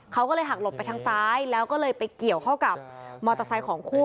เขาก็เลยหักหลบไปทางซ้ายแล้วก็เลยไปเกี่ยวเข้ากับมอเตอร์ไซค์ของคู่